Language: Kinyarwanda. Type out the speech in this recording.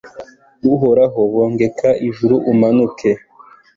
Uhoraho bogeka ijuru umanuke